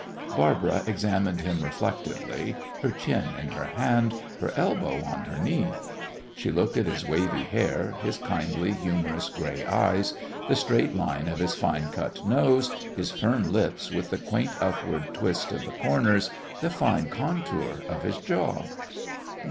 Barbara examined him reflectively, her chin in her hand, her elbow on her knee. She looked at his wavy hair, his kindly, humorous gray eyes, the straight line of his fine cut nose, his firm lips with the quaint upward twist of the corners, the fine contour of his jaw.